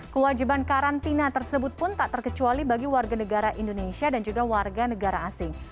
kewajiban karantina tersebut pun tak terkecuali bagi warga negara indonesia dan juga warga negara asing